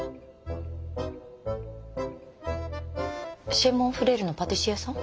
「シェ・モン・フレール」のパティシエさん？